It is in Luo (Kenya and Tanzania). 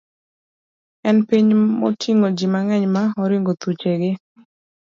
en piny moting'o ji mang'eny ma oringo thuchegi.